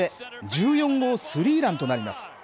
１４号スリーランとなります。